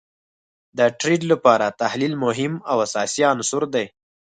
د ټریډ لپاره تحلیل مهم او اساسی عنصر دي